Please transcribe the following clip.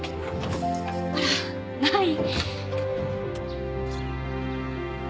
あらない。